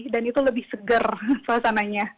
dan itu lebih seger suasananya